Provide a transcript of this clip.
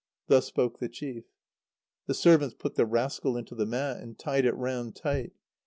Thus spoke the chief. The servants put the rascal into the mat, and tied it round tight.